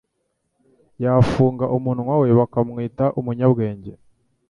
yafunga umunwa we bakamwita umunyabwenge